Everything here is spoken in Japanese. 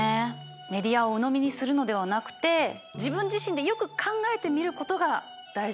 メディアをうのみにするのではなくて自分自身でよく考えてみることが大事になってきますよね。